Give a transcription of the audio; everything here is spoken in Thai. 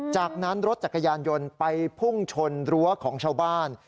จากนั้นรถจักรยานยนต์ไปพุ่งชนรั้วของชาวบ้าน